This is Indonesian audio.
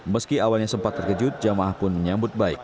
meski awalnya sempat terkejut jamaah pun menyambut baik